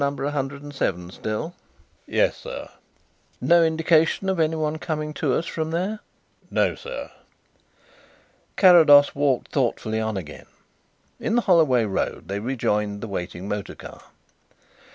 107 still?" "Yes, sir." "No indication of anyone coming to us from there?" "No, sir." Carrados walked thoughtfully on again. In the Holloway Road they rejoined the waiting motor car.